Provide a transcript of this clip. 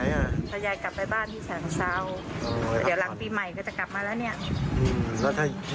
เดี๋ยวหลังปีใหม่ก็จะกลับมาแล้วนี่